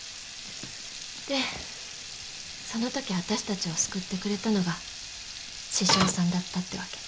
でそのとき私たちを救ってくれたのが獅子雄さんだったってわけ。